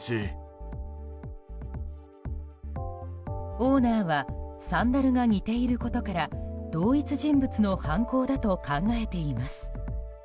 オーナーはサンダルが似ていたことから同一人物の犯行だと考えています。